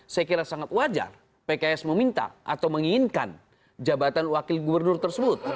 saya kira sangat wajar pks meminta atau menginginkan jabatan wakil gubernur tersebut